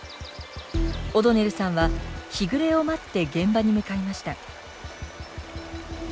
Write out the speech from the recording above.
オドネルさんは日暮れを待って現場に向かいました。